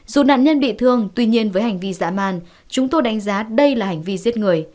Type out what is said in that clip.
dù nạn nhân bị thương tuy nhiên với hành vi giả màn chúng tôi đánh giá đây là hành vi giết người